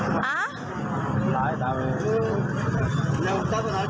ผมท้ายด้วย